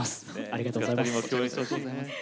ありがとうございます。